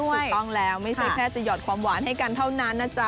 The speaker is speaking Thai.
ถูกต้องแล้วไม่ใช่แค่จะหยอดความหวานให้กันเท่านั้นนะจ๊ะ